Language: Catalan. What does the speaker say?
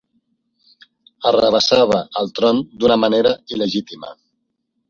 Arrabassava el tron d'una manera il·legítima.